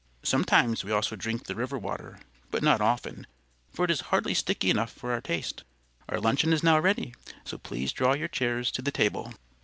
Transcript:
Sometimes we also drink the river water, but not often, for it is hardly sticky enough for our taste. Our luncheon is now ready, so please draw your chairs to the table."